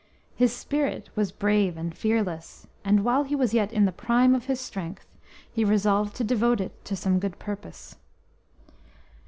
His spirit was brave and fearless, and while he was yet in the prime of his strength he resolved to devote it to some good purpose.